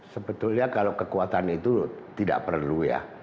sebetulnya kalau kekuatan itu tidak perlu ya